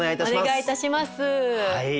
お願いいたします。